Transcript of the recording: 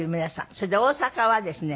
それで大阪はですね